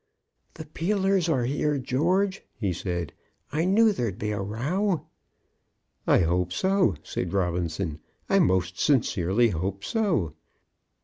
"The Peelers are here, George," he said. "I knew there'd be a row." "I hope so," said Robinson; "I most sincerely hope so."